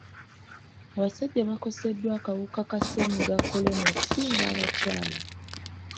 Abasajja bakoseddwa akawuka ka ssennyiga kolona okusinga abakyala.